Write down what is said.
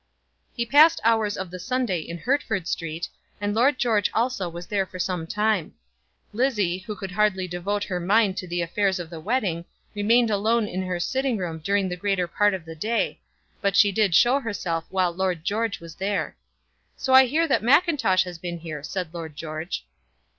He passed hours of the Sunday in Hertford Street, and Lord George also was there for some time. Lizzie, who could hardly devote her mind to the affairs of the wedding, remained alone in her own sitting room during the greater part of the day; but she did show herself while Lord George was there. "So I hear that Mackintosh has been here," said Lord George.